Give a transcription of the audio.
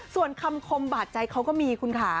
ส่วนคำคมบาดใจเขาก็มีคุณค่ะ